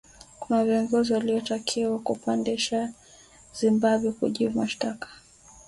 kuna viongozi wanaotakiwa kupandishwa kizimbani kujibu mashtaka